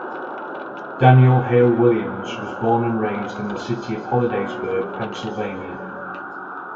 Daniel Hale Williams was born and raised in the city of Hollidaysburg, Pennsylvania.